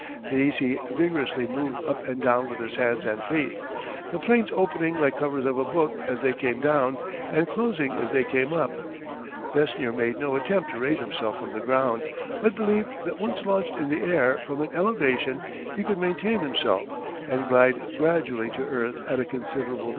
These he vigorously moved up and down with his hands and feet, the planes opening like covers of a book as they came down, and closing as they came up. Besnier made no attempt to raise himself from the ground, but believed that once launched in the air from an elevation he could maintain himself, and glide gradually to earth at a considerable distance.